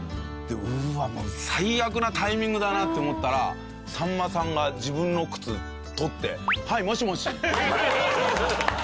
うわっ最悪なタイミングだなって思ったらさんまさんが自分の靴取って。